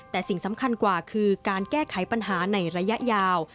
แต่สิ่งสำคัญกว่าคือการแก้ไขปัญหาในระยะยาว